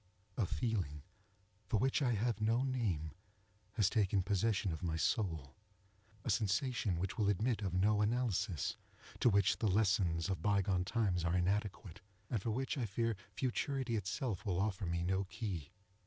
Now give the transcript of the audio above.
A feeling, for which I have no name, has taken possession of my soul —a sensation which will admit of no analysis, to which the lessons of bygone times are inadequate, and for which I fear futurity itself will offer me no key.